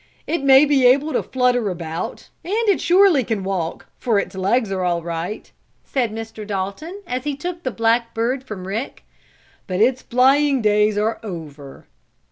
It may be able to flutter about, and it surely can walk, for its legs are all right," said Mr. Dalton, as he took the black bird from Rick. "But its flying days are over."